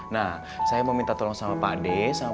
nah saya meminta tolong sama pak d